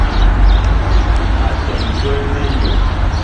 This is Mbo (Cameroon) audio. Atɔm kwélnɛ a nuu.